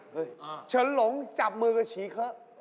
เมืองไทยนะคะเษสฉันลงจับมือกับฉี่เขา